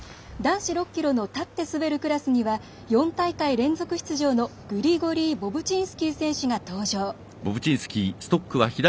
男子６ｋｍの立って滑るクラスには４大会連続出場のグリゴリー・ボブチンスキー選手が登場。